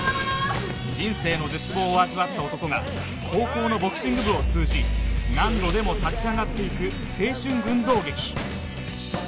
人生の絶望を味わった男が高校のボクシング部を通じ何度でも立ち上がっていく青春群像劇